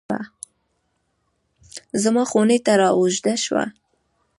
زما خونې ته رااوږده شوه